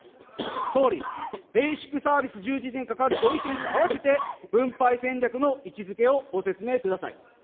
総理、ベーシックサービス充実にかかわるご意見と合わせて、分配戦略の位置づけをご説明ください。